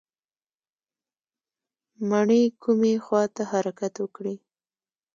مڼې کومې خواته حرکت وکړي؟